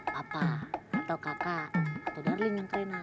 papa atau kaka atau darling yang kerenan